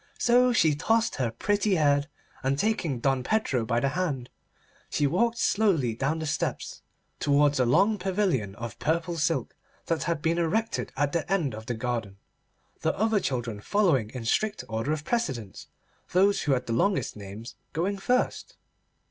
So she tossed her pretty head, and taking Don Pedro by the hand, she walked slowly down the steps towards a long pavilion of purple silk that had been erected at the end of the garden, the other children following in strict order of precedence, those who had the longest names going first.